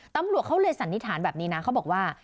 ตำรวจเขาเลยสันนิษฐานแบบนี้นะเขาบอกว่า